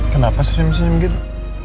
kenapa senyum senyum gitu